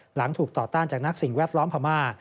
หลังถูกต่อต้านจากนักสิ่งแวดล้อมพม่า